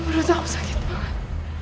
bener bener tau sakit banget